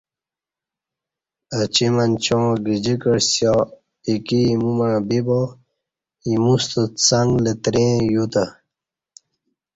اچی منچاں گجی کعسِیا ایکی ایمو مع بیبا اِیمُو ستہ څنگ لتریں یوتہ۔